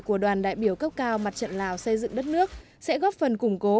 của đoàn đại biểu cấp cao mặt trận lào xây dựng đất nước sẽ góp phần củng cố